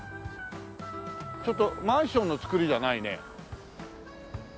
ちょっとマンションの造りじゃないね。